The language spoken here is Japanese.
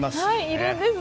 いるんです。